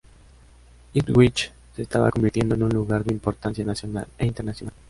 Ipswich se estaba convirtiendo en un lugar de importancia nacional e internacional.